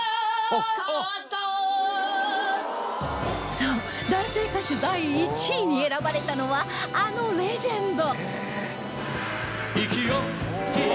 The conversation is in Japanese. そう男性歌手第１位に選ばれたのはあのレジェンド